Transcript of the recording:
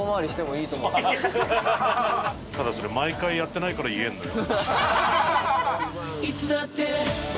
ただそれ毎回やってないから言えるのよ。